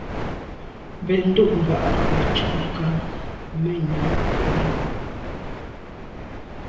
Mbèn ndo’ mba netsham nka menya yi.